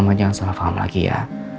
mama jangan salah paham lagi ya